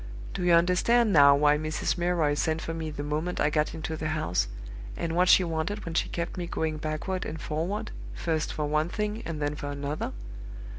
Do you understand now why Mrs. Milroy sent for me the moment I got into the house, and what she wanted when she kept me going backward and forward, first for one thing and then for another?